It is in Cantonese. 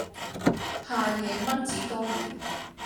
夏夜，蚊子多了，